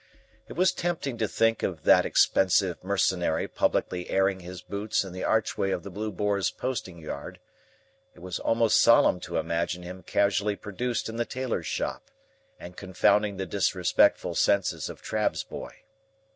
It was tempting to think of that expensive Mercenary publicly airing his boots in the archway of the Blue Boar's posting yard; it was almost solemn to imagine him casually produced in the tailor's shop, and confounding the disrespectful senses of Trabb's boy.